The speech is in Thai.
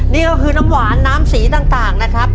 นี่ก็คือน้ำหวานน้ำสีต่างนะครับ